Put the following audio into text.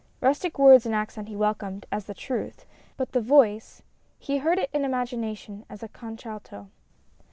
Rustic words and accent he welcomed as the truth, but the voice he heard it in imagination as a contralto.